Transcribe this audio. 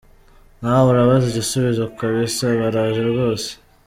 Nawe urabaza igisubizo kabisa! Baraje rwose!.